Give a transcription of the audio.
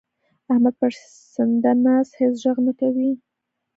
احمد پړسنده ناست؛ هيڅ ږغ نه کوي.